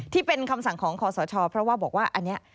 ที่เป็นคำสั่งของคอสชเพราะว่าบอกว่าอันนี้